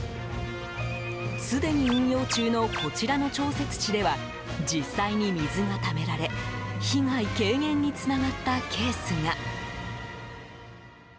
すでに運用中のこちらの調節池では実際に水がためられ被害軽減につながったケースが。